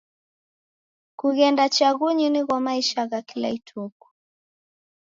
Kughenda chaghunyi nigho maisha gha kila ituku.